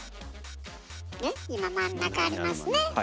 今真ん中ありますね。